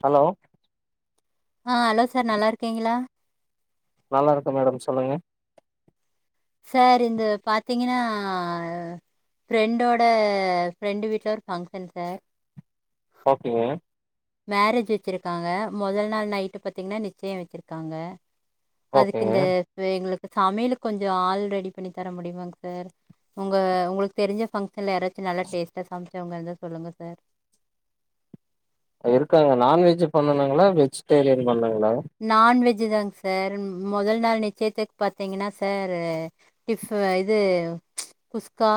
Hello ஆஹ் hello sir நல்லா இருக்கீங்களா நல்லா இருக்கு மேடம் சொல்லுங்க சார் இந்த பாத்தீங்கன்னா ஃப்ரெண்டோட ஃப்ரெண்ட் வீட்டுல ஒரு ஃபங்க்ஷன் சார் ஓகேங்க மேரேஜ் வச்சிருக்காங்க முதல் நாள் நைட்டு பாத்தீங்கன்னா நிச்சயம் வச்சிருக்காங்க அதுக்கு ஓகேங்க இந்த எங்களுக்கு சமையலு கொஞ்சம் ஆள் ரெடி பண்ணி தர முடியமாங்க சார் உங்க உங்களுக்கு தெரிஞ்ச பங்க்ஷன்ல யாராச்சும் நல்லா டேஸ்டா சமைச்சவங்க இருந்தா சொல்லுங்க சார் இருக்காங்க நான்வெஜ் பண்ணனுங்களா வெஜிடேரியன் பண்ணாங் நான்வெஜ் இது தாங்க சார் முதல் நாள் நிச்சயத்துக்கு பாத்தீங்கன்னா சார் இது குஸ்கா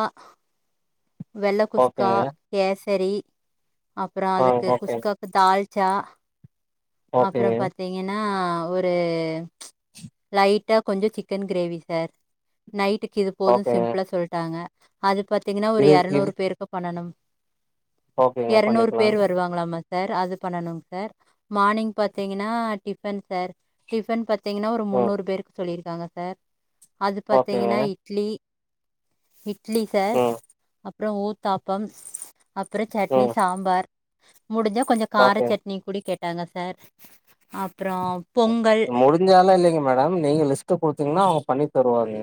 வெள்ளக் குஸ்கா ஓகேங்க கேஸ் சரி அப்புறம் ஆ அதுக்கு ஓகே குஸ்கா தால் ச அப்பறோ ஓகேங்க பாத்தீங்கன்னா ஆஹா ஒரு லைட்டா கொஞ்சம சிக்கன் கிரேவி சார் நைட்டுக்கு இது போதும் ஓகேங்க சிம்பிளா சொல்ட்டாங்க அது பத்தி பார்த்தீங்கன்னா ஒரு இது இது எரநூறு பேருக்கு பண்ணனும் ஓகேங்க எறநூறு பண்ணிக்கலா பேர் வருவாங்களாமா சார் அது பண்ணனுங் சார் மார்னிங் பாத்தீங்கன்னா டிஃபன் சார் டிபன் த்தங்கன்னா ஒரு ம் முன்னூறு பேருக்கு சொல்லிருக்கு [unintelligible] சார் அது ஓகேங்க பாத்தீங்கன்னா இட்லி [inaudible] இட்லி சார் ம் அப்றம் ஊத்தாப்பம் அப்புறம் சட்னி ம் சாம்பார் [inaudible] முடிஞ்ச கொஞ்சம் கார ஓகே சட்னி [unintelligible] [unintelligible] சார் அப் முடிஞ்சாலா இல்லைங்க மேடம் நீங்க லிஸ்ட் கொடுத்தீங்கன்னா பண்ணி தருவாங்க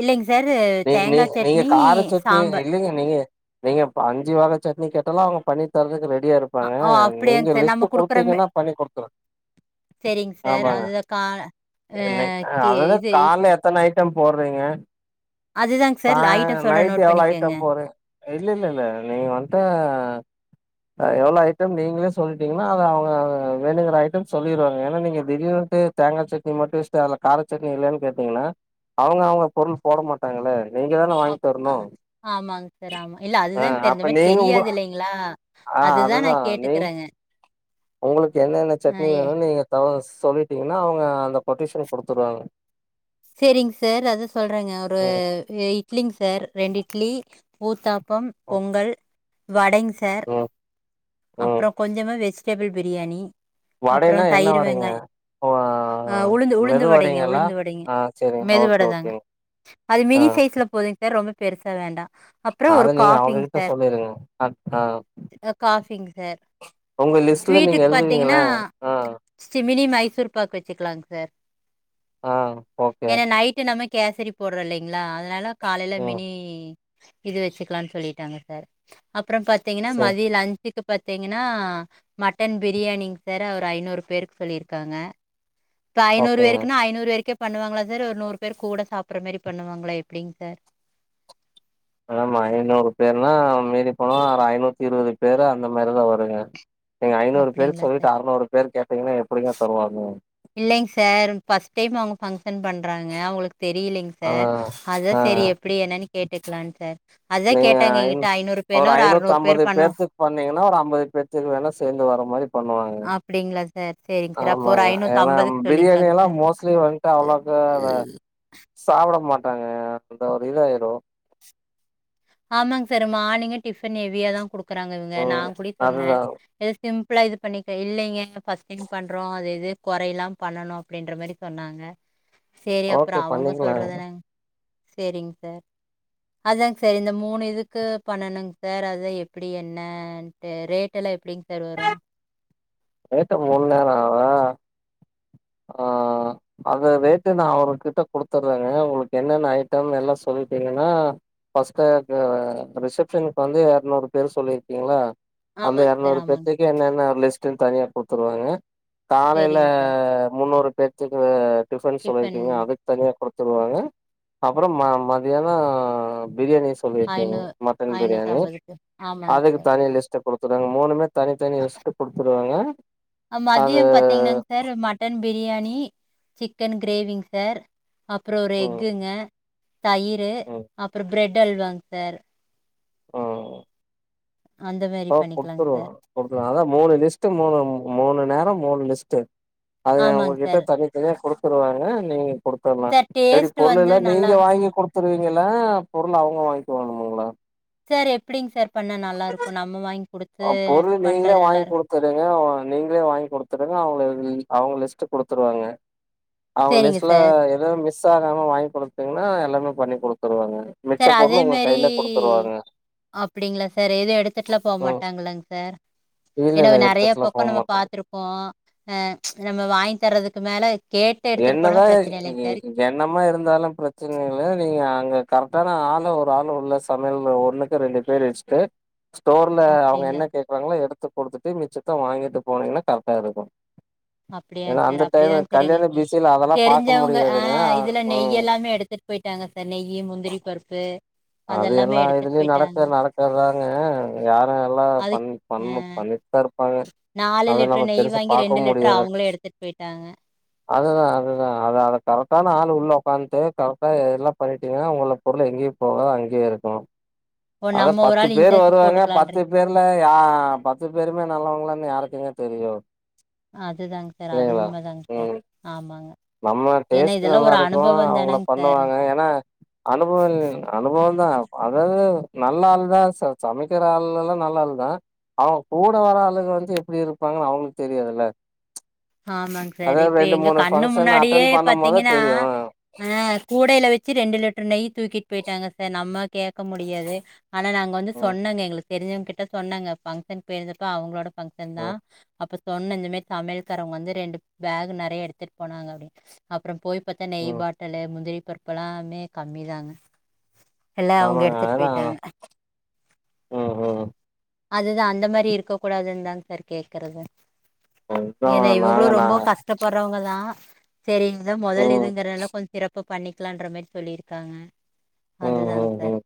இல்லைங்க சார் நீ நீ தேங்கா நீங்க சட்னி, கார சட்னி சாம்பார். இல்லைங்க நீங்க நீங்க அஞ்சு வகை சட்னி கேட் எல்லா அவங்க பண்ணிதர்றதுக்கு ரெடி ரெடியா அ இருப்பாங்க ஓ அப்படியாங்க நீங்க சார் நம்ம லிஸ்ட் குடுக்குற மெ குடுத்தீங்கன்னா பண்ணி குடுத்துட்றே சரிங்க சார் அது கா அஹ் கே இது ச் டம் போடுறீங்க சார் ச ஐட்டம் சொல்றேன் நைட்டு நோட் எவ்ளோ பண்ணிக்கோங்க. ஐட்டம் போற இல்ல இல்ல இல்ல நீங்க வன்ட்டு எவ்ளோ ஐட்டம் நீங்களே சொல்ட்டீங்கன்னா அத அவங்க அத வேணுங்குற ஐட்டம் சொல்லிருவாங்க ஏன்னா நீங்க திடீர்னுட்டு தேங்கா சட்னி மட்டு வெச்ட்டு அத்ல கார சட்னி இல்லலன் கேட்டீங்கன்னா அவங்க அவ்ங்க பொருள் போட மாட்டாங்கல்ல நீங்க தான அ வாங்கி தரணு ஆமாங்க சார் ஆமா இல்ல ஆ அதுதாங்க சார் அப்ப இந்த மாதிரி நீங்க உங்க தெரியாது இல்லைங்களா ஆ அதுதா நா நீ கேட்டுக்கிறங்க உங்களுக்கு என்னென சட்னி வேணும்னு நீங்க தாஸ் சொல்லிட்டீங்கன்னா அவங்க அந்த கொட்டேஷன் குடுத்துருவாங்க சரிங்க சார் அத சொல்றேங்க ஒரு ம் இட்லிங்க சார் ரெண்டு இட்லி ஊத்தாப் பம் பொங்கல் வடங் சார் ம் ம் அப்றோ கொஞ்சமா வெச் டேபிள் பிரியாணி அப்றோ வடைனா என்ன தயிர் வடைங்க வெங்காய் ஓ அஹ் உளுந்து உளுந்து மெது வடைங்க வடைங்களா உளுந்து வடைங்க ஆ செரிங்க ஓகே மெதுவடைதாங்க ஓகேங்க அது ஆ மினி சைஸ்ல போதுங்சார் ரொம்ப பெருசா வேண்டா அப்றோ அத ஒரு நீங்க காஃபிங் அவங்ககிட்ட சார் சொல்லிருங்க ஆ பிங்க் சார் உங்க லிஸ்ட்ல நீங்க ஸ்வீட்டுக்கு எழுதுவீங்கள பாத்தீங்கன்னா ஆ மினி மைசூர் பாக் வச்சுக்லாங்க சார் ஆ ஓகே ஏன்னா நைட்டு நம்ம கேசரி போட்றோ இல்லைங்களா அதனால காலைல ம் மினி இது வெச்சுக்லான் சொல்லிட்டாங்க சார் அப்றொ பாத்தீங்கன்னா செரி மதியொ லன்ச்சுக் கு பாத்தீங்கனா மட்டன் பிரியாணிங் சார் ஒரு ஐநூறு பேருக்கு சொல்லிருக்காங்க இப்ப ஐநூறு ஓகேங்க வேருக்குன்னா ஐநூறு வேருக்கே பண்ணுவாங்ளா சார் ஒரு நூறு பேர் கூட சாப்புர்ற மேரி பண்ணுவாங்களா எப்டிங் சார் ஆமா ஐநூறு பேர்னா மீறி போனா ஒரு ஐநூத்தி இருவது பேரு அந்த மாரிதா வருங்க நீங்க ஐநூறு பேருக் அப்டிங்களா சார் சொல்லிட்டு அறுநூறு பேருக் கேட்டீங்கனா எப்பிடிங்க தருவாங்க இல்லைங் சார் ஃபஸ்ட் டைம் அவுங்க ஃபங் எர்ன் பண்றாங்க அவங்களுக்கு தெரிலங்க ஆ சார் ஆ அதான் சேரி எப்புடி என்னனு கேட் டுக்லான் சார் அதா நீங்க கேட்டாங்க எங்கிட்ட ஐநூறு பேர்னா ஒரு ஐநூத்து அறநூறு பேர் அம்பது பண்ணு பேத்தக்கு பன்னீங்கன்னா ஒரு அம்பது பேத்துக்கு வேணா சேந்து வர மாரி பண்ணுவாங்க அப்டிங்ளா ஆமாங்க ஏனா பிரியாணி சொல்லிக்கலாங் எல்லா சார் மோஸ்ட்லி வன்ட்டு அவ்ளோக்கா சாப்ட மாட் டாங்க அந்த ஒரு இதாயிரு ஆமாங் சார் மார்னிங்கு டிஃபன் ஹெவியாதா குடுக் குறாங்க இவுங்க நா ம். கூடயு சொன்ன அதுதான். எதாது சிம் ப்ளா இது பண்ணிக்க இல்லைங்க ஃபஸ்ட் டைம் பண்றோ அத இது கொறை இல்லாம பண்ணணு அப்படின்ற மாரி சொன்னாங்க சேரி அப்புற ஓகே அவுங்க பண்ணிக்கலாங்க. சொல்றதான செரிங்க சார் அதாங் சார் இந்த மூணு இதுக்கு பண்ணணுங் சார் அதா எப்புடி என்னன்ட்டு ரேட் எல்லா எப்டிங் சார் வரு ரேட்டு மூணு நேரம் ஆக ஆஹ அது ரேட்டு நான் அவரு கிட்ட குடுத்துற்றங்க உங்களுக்கு என்னென்ன ஐட்டம் எல்லாம் சொல்லிட்டீங்கன்னா ஃபர்ஸ்ட்டு க ரிசப்ஷனுக்கு வந்து எரநூறு பேர் சொல்லிருக்கீங்களா அந்த ஆமாங்க சார், எரநூறு ஆமாங்க பேத்துக்கு சார். என்னென்ன லிஸ்ட் த்துன் தனியா குத்துருவாங்க காலைல சரிங்க சார். முன்னூறு பேர்த்துக்கு டிபன் டிஃபன் சொல்லிருக்கீங்க அதுக் தனியா குடுத் தருவாங்க அப்புற ம மதியான பிரியாணி சொல்லிருக்கிங்க ஐநூ மட்டன் பிரியாணி ஆமாங்க அதுக்கு சார். தனி லிஸ்ட் குடு சோ நாங்க மூணுமே தனித்தனி லிஸ்ட்டு தருவாங்க அ மதியம் பாத்தீங்கன்னாங்க சார் மட்டன் பிரியாணி சிக் சிக்கன் கிரேவிங் சார் அப்புறம் ஒரு ம் எக்குங்க தயிரு ம் அப்பற பிரெட் டல் வாங்க சார் ம் அந்த மாரி ஓ பண்ணிக்கலாங்க குடுத்துருவோ சார். குடுத்துருவோ அதான் மூணு லிஸ்ட் மூணு மூணு நேரம் மூணு லிஸ்ட்டு அது உங்க ஆமாங்க கிட்ட சார். தனி தனியா குடுத் உடுவாங்க நீங்க கொடுத்தர்லா சார் எப்டி டேஸ்ட் வந்து பொருளெல்ல நல்லா நீங்க வாங்கி இருக்கணுங்க. குடுத்தூர்வி நீங்கல்ல பொருள் அவுங்க வாங்கிக்குவாங்களா சர் எப்டிங் சர் பண்ண நல்லா இருக்கு நம்ம வாங்கி குடுத் ஒ பொருள் நீங்ளே வாங்கி குடுத்துறீங்க நீங்களே வாங்கி் குடுத்துருங்க அவங்லே அவங்க லிஸ்ட் குடுத்துருவாங்க அவங்க சரிங்க சார். லிஸ்ட்ல எது மிஸ் ஆகாம வாங்கி குடுக் பாத்தீங்ன்னா எல்லாமே பண்ணி குடுத்துருவாங்க மிச்ச சார் அதே பொருள் உங்க மேரி கையில குடுத்துருவாங்க. அப்டிங்களா சார் எதுவு எடுத்துட்டுலா ம். போமாட்ட ங்களா சார் இல்ல ஏனா இல்ல நெறைய எடுத்துட்டுலாம் பக்கோ போ நம்ம மாட்டேன். பாத்திருக்கோ ஆ நம்ம வாங்கி தரதுக்கு மேல கேட்டு எடுத்துட்டு போனா என்னதா பிரச்சன இல்லைங்க எ சார் என்னமா இருந்தாலு பிரச்சன இல்ல நீங்க அங்க கரக் டானா ஆள ஒரு ஆள் உள்ள சமையல்ல ஒன்னுக்கு ரெண்டு பேரு வச்சுட்டு ஸ்டோர்ல அவுங்க அப்டிங்களா என்ன கேக்குறாங்ளோ எடுத்து குடுத்துட்டு மிச்சத்த வாங்கி எ [unintelligible] போனீங்னா கரெக்டா இருக்கு அப்டியாங்க் சர் அப்டிதாங்க சர் எங்களுக்கு பிஸில அதெல்லாம் பாக்க தெரிஞ்சவங்க ஆ முடியாதுங்க. இதுல அ நெய் ம். எல்லாமே எடுத் எடுத்துட்டு போய்ட்டாங்க சர் நெய்யி முந்திரி பருப்பு அது அதெல்லாமே எல்லா எடுத்துட்டு இதுலயு போயிட்டாங்க நடக்க நடக்கதாங்க யாரு எல்லா அதுக் பண்ணி அ பண்ணு பண்ணி தா நாலு லிட்டரு நெய் வாங்கி ரெண்டு லிட்டரு முடியாது அவங்களே எடுத்துட் போய்ட்டாங்க அதுதா அதுதா அது அத கரெக்டான ஆள் உள்ள ஒக்காந்து கரெக்டா எல்லா பண்ணிட்டீங்ன்னா உங்கள பொருள் எங்கயு போக அங்யே இருக்கு ஓ அதா நம்ம ஒரு பத்து ஆள் பேரு இன்சார்ஜ் வருவாங்க பத்து போட்டுக்கலான்றீங்க பேர்ல யா பத்து பேருமே நல்லவங்ளானு யாருக்கு என்ன தெரியோ அதுதாங்க் சர் அது உண்மதாங்க் சர் ம் ஆமாங்க நம்ம ஏன்னா டேஸ்ட் இதெல்லாம் நல்லா ஒரு இருக்கு அனுபவம் அவங்கள தானங்க சார் பண்ணுவாங்க ஏனா அனுபவ அனுப இப்பவு தா அதாவுது நல்ல ஆள் தா சார் சமைக்கிற ஆளுல்லா நல்ல ஆளு தா அவுங் கூட வர ஆளுங்க வந்து எப்டி இருப்பாங்னு அவுங்களு தெரியாதில்ல ஆமாங் சார் இப்ப எங்க இன்னு ஃபங்க்ஷன் முன்னாடியே அட்டன் பண்ணும் போது பாத்தீங்கனா தெரியு ஆ ஆ கூடையில வச்சு ரெண்டு லிட்டர் நெய் தூக்கிட்டு போய்ட்டங்க சார் நம்ம கேக்க முடியாது ஆனா நாங்க வந்து ம் சொன்னங்க எங்களுக்கு தெரிஞ்சவங்க கிட்ட சொன்னங்க பங்க்ஷன் போயிருந்தப்ப அவங்ளோட ஃபங்க்ஷன் தா ம் அப்ப ச் சொன்ன இந்த மாரி சமயல் வீட்டுக்காரவங்க வந்து ரெண்டு பேக் நறைய எடுத்துட்டு போனாங்க அப்டி அப்புற போய் பாத்த நெய் ம் பாட்டிலு முந்திரி பருப்புபெல்லாமே கம்மிதாங்க எல்லா அவங்க ஆமாங்க எடுத்துட்டு அதெல்லா போயிட்டாங்க ம் ம் அதுதா அந்த மாரி இருக்க கூடாதுன்னு தாங்க சார் கேக்குறது அதுதா ஏன்னா இவங்களு நாங்க நா ரொம்ப கஷ்டப்பட்றவங்க தா [unintelligible] முதல ம் இதுங்கறனால கொஞ்ச சிறப்பா பண்ணிக்கலான்ற மாரி சொல்லியிருக்காங்க ம் அதுதாங்க ம் சார் ம்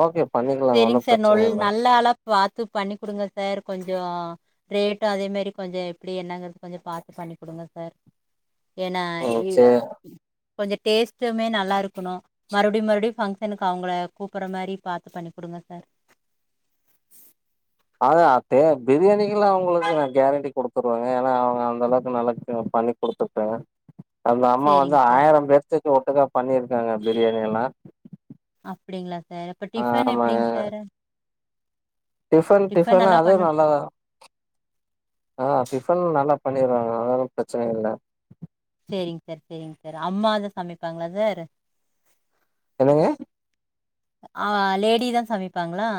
ஓகே பண்ணிக்கலாங்க ஒன்னு சேரிங்க சார் பிரச்சன நொல் இல்ல நல்ல ஆள பாத்து பண்ணி கொடுங்க சார் கொஞ்சோ ரேட் அதே மாரி கொஞ்ச எப்படி என்னங்கறது கொஞ்ச பாத்து பண்ணி கொடுங்க சார் ஏன்னா ம் சேரி கொஞ்ச டேஸ்ட்டுமே நல்லா இருக்கணு மறுபடி மறுபடி பங்க்ஷனுக்கு அவங்கள கூப்பற மாரி பாத்து பண்ணி கொடுங்க சார் அத அத்து பிரியாணில்லா அவங்களுக்கு நான் கேரண்டி கொடுத்துருவேங்க ஏன்னா அவங்க அந்த அளவுக்கு நல்லா பண்ணி கொடுத்துருக்க அந்த அம்மா வந்து சேரிங்க சார் ஆயிரம் பேர்த்க்கு ஒட்டுக்கா பண்ணியிருக்காங்க பிரியாணி எல்லா அப்படிங்களா சார் அப்ப டிஃபன் ஆமா எப்படிங்க சார் டிஃபன் டிஃபன் எல்லா அதுவு பண்ண நல்லதா ஆஹ் டிஃபன் நல்லா பண்ணிறாங்க அது ஒன்னு பிரச்சன இல்ல செரிங் சார் செரிங் சார் அம்மாதா சமைப்பாங்ளா சார் என்னங்க ஆ லேடிதா சமைப்பாங்களா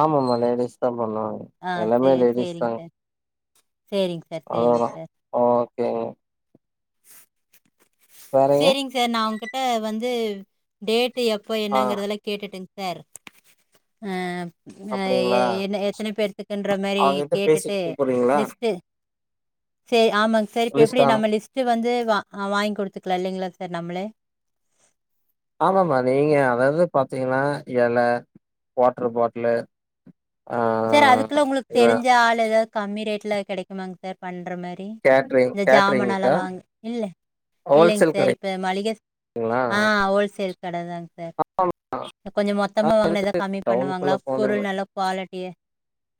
ஆமா மா லேடிஸ் தான் பண்ணுவாங்க ஆ சே எல்லாமே லேடிஸ் சேரிங் தாங்க சார் சேரிங் சார் சேரிங் அதோதா சார் [unintelligible] வேறங்க சேரிங்க சார் நான் அவங்ககிட்ட வந்து டேட் எப்போ ஆ என்னங்கறதல்லா கேட்டுட்டு சார் ஹ ஆ அப்டிங்களா என்ன எத்தனை பேத்துக்குன்ற மாரி அவங்ககிட்ட கேட்டுட்டு பேசிட்டு கூப்புறீங்களா லிஸ்ட்டு சேரி ஆமாங்க சார் இப்ப எப்படி லிஸ்ட் ஆனா நம்ம லிஸ்ட்டு வந்து ஆ வாங்கி கொடுத்துட்டு ப்ல்லைங்களா சார் நம்மளே ஆமாமா நீங்க அதாது பாத்திங்கனா எல வாட்ரு பாட்டிலு ஆ சார் அதுக்லா உங்ளுக்கு இவ தெரிஞ்ச ஆள் எதாது கம்மி ரேட்ல கெடைக்குமாங் சார் பண் ற மாரி கேட்ரிங் இந்த ஜாமானெலா கேட்ரிங்க்கா வாங்க இல்ல இல்லைங் ஹோல்சேல் சார் இப்ப மளிக கடைக்குங்களா ஆ, ஹோல்சேல் கட தாங் சார் கொஞ்ச ஆ மொத்தமா வாங்னா எதா கம்மி பண்ணுவாங்ளா டவுனுக்குள்ள போனீங்க பொருள் நல்ல குவாலி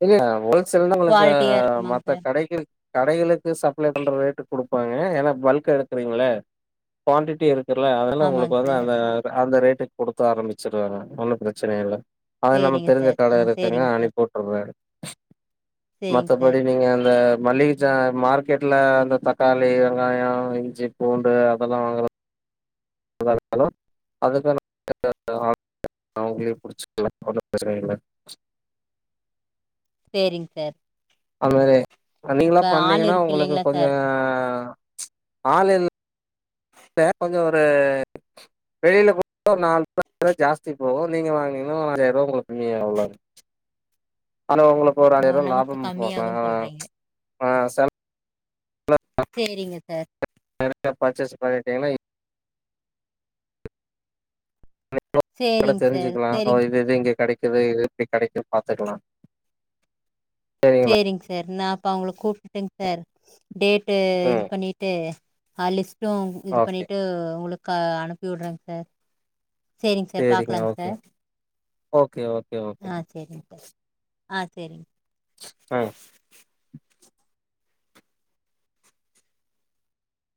இல்ல ஹோல்சேல்னா உங்களுக்கு இருக்குமாங்க மத்த சார் கடைகள் கடைகளுக்கு சப்ளை பண்ற ரேட்டுக் குடுப்பாங்க ஏனா பல்க்கா எடுக்கறிங்கள குவாண்டிட்டி இருக் தெர்ல அதால உங்களுக்கு ஆமாங்க வந்து சார் அந்த அந்த ரேட் ரேட்டுக் குடுக்க ஆரம்பிச்சிருவாங்க ஒன்னு பிரச்சனை இல்ல அது நம்ம சரிங்க தெரிஞ்ச சார் கட ஆ இருக்குங்க சரிங்க சார் அனிப்புட் [unintelligible] சரிங்க மத்தபடி சார் நீங்க அந்த மள்ளிக ஜா மார்க்கெட்ல அந்த தக்காளி வெங்காயோ இஞ்சி பூண்டு அதெல்லா வாங்கற [inaudible] அவங்களயே புடிச்சுக்லா ஒண்ணு பிரச்சன இல்ல சேரிங் சார் [unintelligible] நீங்களா அப்போ ஆள் பண்ணிங்னா இருக்கு உங்களுக்கு இல்லைங்களா கொஞ்ச சார் ப்ச் ஆன்லைன்ல் இப்ப கொஞ்சோ ஒரு வெளில குடுத்தா ஒரு நாலு ரூபா ஜாஸ்தி போகு நீங்க வாங்குனீங்கன்னா ஒரு அஞ்சாயிர ரூபா உங்களுக்கு [unintelligible] அவ்ளோதா ஆனா உங்களுக்கு ஒரு ஓ ஆயிரரூபா நமக்கு லாபம் பாக்கலா கம்மியாகும்னு அ சொல்கிறீங்க ஆ, சல் சேரிங்க சார் நெறயா பர்ச்சேஸ் பண்ணிடீங்கன்னா இப் சரிங்க சார் தெரிஞ்சுக்கலா சரிங்க இது இது இங்க கெடைக்கு க்குது இது எப்டி கெடைக்கு பாத்துக்கலா சரிங்களா? செரிங்க சார் நாப் அப்ப அவுங்கள கூப்ட்டுங் சார் டேட்டு இது ம் பண்ணிட்டு ஹாலிஸ் அப்றோ இது ஓகே. பண்ணிட்டு உங்களுக்கு கா, அனுப்பி விடுறேங் சார் சேரிங்க சார் சரிங்க பாக்கலாங்க okay. Sir okay, okay, okay. ஆ சேரிங்க சார் ஆ சேரிங்க. ஆ